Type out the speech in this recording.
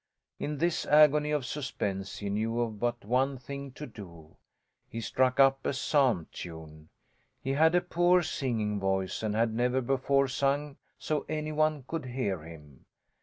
In this agony of suspense he knew of but one thing to do: he struck up a psalm tune. He had a poor singing voice and had never before sung so any one could hear him.